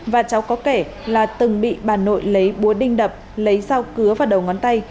và cháu có kể là từng bị bà nội lấy búa đinh đập lấy dao cứa vào đầu ngón tay